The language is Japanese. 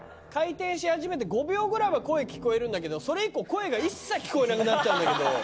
回転し始めて５秒ぐらいは声聞こえるんだけどそれ以降声が一切聞こえなくなっちゃうんだけど。